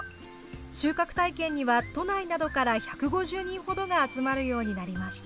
収穫体験には都内などから１５０人ほどが集まるようになりました。